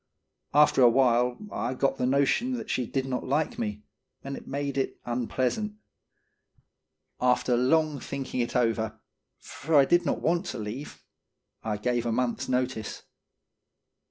After a while, I got the notion that she did not like me, and it made it unpleasant. After long thinking it over, for I did not want to leave, I gave a month's notice.